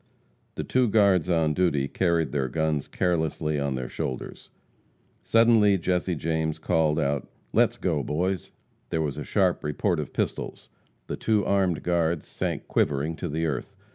The two guards on duty carried their guns carelessly on their shoulders. Suddenly, Jesse James called out, "Let's go, boys!" There was a sharp report of pistols. The two armed guards sank quivering to the earth.